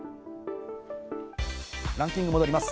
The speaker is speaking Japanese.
ランキングに戻ります。